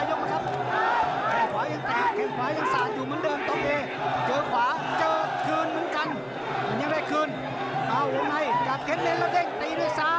แล้วเด้งตีด้วยซ้าย